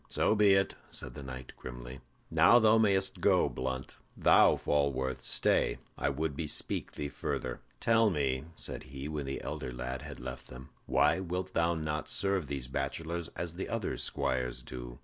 "So be it," said the knight, grimly. "Now thou mayst go, Blunt. Thou, Falworth, stay; I would bespeak thee further." "Tell me," said he, when the elder lad had left them, "why wilt thou not serve these bachelors as the other squires do?